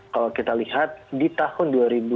kalau kita lihat di tahun dua ribu sembilan belas